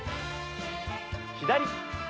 左。